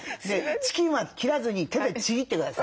チキンは切らずに手でちぎってください。